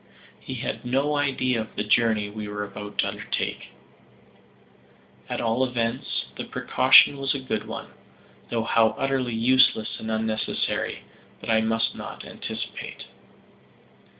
He had no idea of the journey we were about to undertake. At all events, the precaution was a good one; though how utterly useless and unnecessary but I must not anticipate.